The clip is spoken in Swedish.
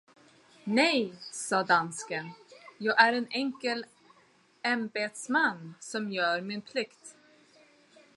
Nej, sade dansken, jag är en enkel ämbetsman, som gör min plikt.